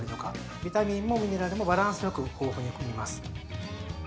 ビタミンもミネラルもバランスよく豊富に含みます。